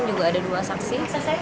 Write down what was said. juga ada dua saksi